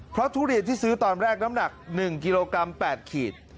เพราะทุเรียนที่ซื้อตอนแรกน้ำหนัก๑กิโลกรัม๘ขีด